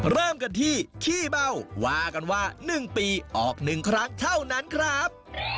เริ่มกันที่ขี้เบาว่ากันว่า๑ปีออก๑ครั้งเท่านั้นครับ